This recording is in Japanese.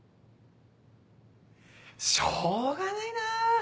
しょうがないな！